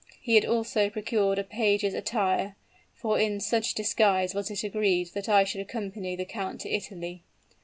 He had also procured a page's attire; for in such disguise was it agreed that I should accompany the count to Italy.